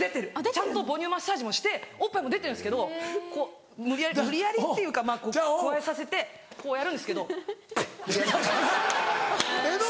ちゃんと母乳マッサージもしておっぱいも出てるんですけど無理やり無理やりっていうかくわえさせてやるんですけどペッ！